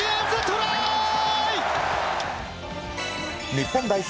日本代表